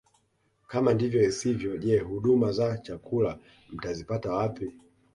Kama ndivyo sivyo je huduma za chakula mtazipata wapi